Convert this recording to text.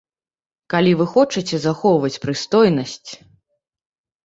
Калі вы хочаце захоўваць прыстойнасць.